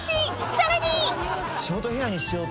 ［さらに！］